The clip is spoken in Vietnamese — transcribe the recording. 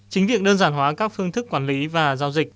chính việc đơn giản hóa các phương thức quản lý và giao dịch